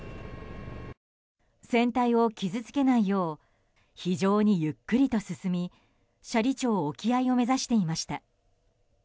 船体を傷つけないよう非常にゆっくりと進み斜里町沖合を目指していました。